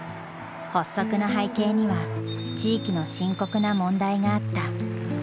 発足の背景には地域の深刻な問題があった。